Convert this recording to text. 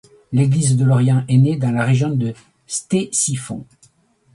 L'église de l'Orient est née dans la région de Ctésiphon.